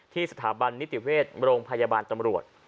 สถาบันนิติเวชโรงพยาบาลตำรวจ